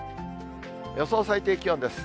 予想最低気温です。